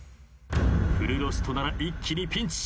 フルロストなら一気にピンチ。